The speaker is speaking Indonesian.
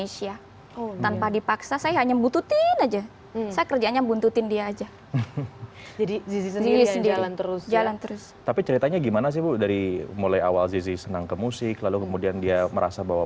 siapkah dirimu diriku menjadi juara